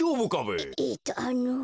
ええっとあの。